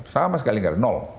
sama sekali nggak nol